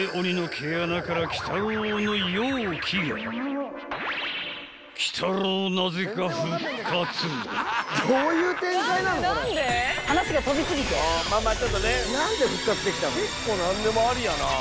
結構何でもありやなぁ。